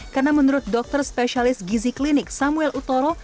karena menurut dokter spesialis gizi klinik samuel utoro